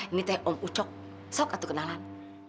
ini teh om ucok sok atau kenalan